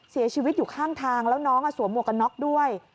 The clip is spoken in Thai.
เสียชีวิตอยู่ข้างทางแล้วน้องสวมหวกกันน็อกด้วย